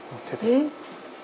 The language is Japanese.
えっ。